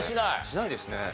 しないですね。